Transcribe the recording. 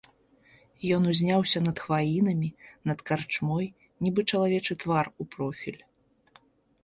Ён узняўся над хваінамі, над карчмой, нібы чалавечы твар у профіль.